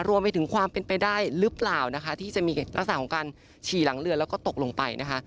รวมไปถึงความเป็นไปได้หรือเปล่านะคะที่จะมีลักษณะของการฉี่หลังเรือแล้วก็ตกลงไปนะคะ